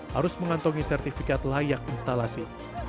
harus mengantongi sertifikat layak instalasi